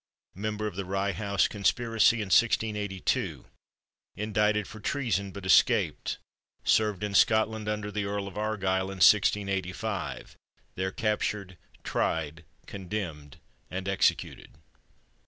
member of the Rye House Conspiracy in 1682; indicted for treason but escaped; served in Scotland under the Earl of Argyle in 1685; there captured, tried, condemned, and executed.